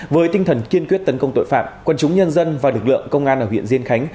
với tinh thần kiên quyết tấn công tội phạm quân chúng nhân dân và lực lượng công an ở huyện diên khánh